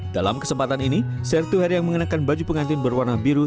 dalam kesempatan ini sertu heri yang mengenakan baju pengantin berwarna biru